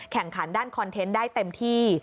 แข่งขันด้านคอนเทนต์ได้เต็มที่